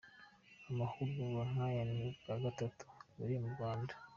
Amahugurwa nk’aya ni ubwa gatatu abereye mu Rwanda.